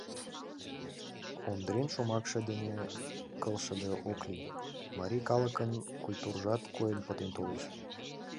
Ондрен шомакше дене келшыде ок лий: марий калыкын культуржат койын пытен толеш.